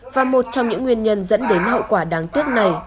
và một trong những nguyên nhân dẫn đến hậu quả đáng tiếc này